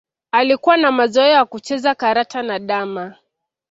Alikuwa na mazoea ya kucheza karata na damma